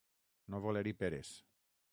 No voler-hi peres.